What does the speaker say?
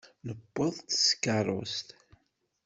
Newweḍ-d s tkeṛṛust.